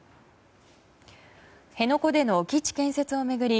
辺野古での基地建設を巡り